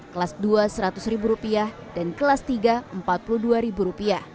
kelas dua rp seratus dan kelas tiga rp empat puluh dua